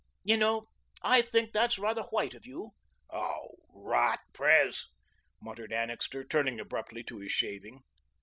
You know, I think that's rather white of you." "Oh, rot, Pres," muttered Annixter, turning abruptly to his shaving.